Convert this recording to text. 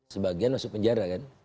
sebagian masuk penjara kan